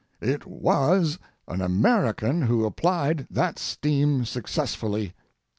It was an American who applied that steam successfully.